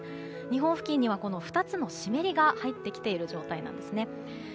日本付近には２つの湿りが入ってきている状態なんですね。